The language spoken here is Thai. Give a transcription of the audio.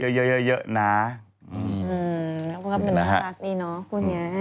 พวกเขาเป็นพลังรักดีเนอะคู่เนี้ย